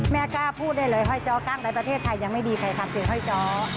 กล้าพูดได้เลยห้อยจ้อกั้งในประเทศไทยยังไม่มีใครทำเพียงห้อยจ้อ